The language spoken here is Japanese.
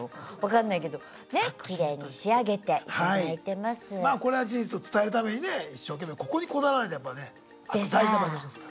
まあこれは事実を伝えるためにね一生懸命ここにこだわらないとやっぱねあそこ大事な場所にしてますから。